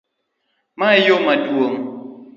Mae e yoo maduong'?